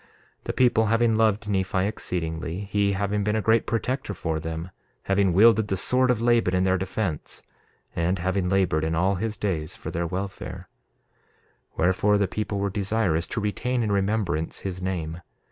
1:10 The people having loved Nephi exceedingly, he having been a great protector for them, having wielded the sword of Laban in their defence, and having labored in all his days for their welfare— 1:11 Wherefore, the people were desirous to retain in remembrance his name.